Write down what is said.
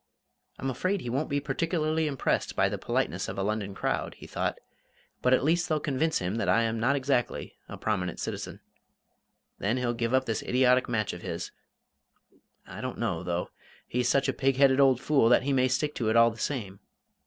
"I'm afraid he won't be particularly impressed by the politeness of a London crowd," he thought; "but at least they'll convince him that I am not exactly a prominent citizen. Then he'll give up this idiotic match of his I don't know, though. He's such a pig headed old fool that he may stick to it all the same.